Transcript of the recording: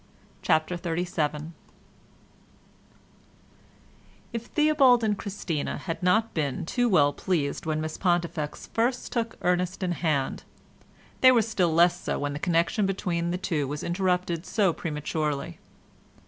CHAPTER XXXVII If Theobald and Christina had not been too well pleased when Miss Pontifex first took Ernest in hand, they were still less so when the connection between the two was interrupted so prematurely.